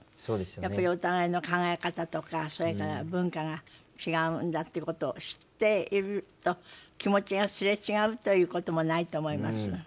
やっぱりお互いの考え方とかそれから文化が違うんだっていうことを知っていると気持ちがすれ違うということもないと思います。